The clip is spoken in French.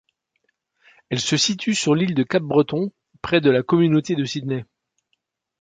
Elle se situe sur l'île du Cap-Breton, près de la communauté de Sydney.